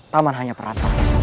paman hanya peran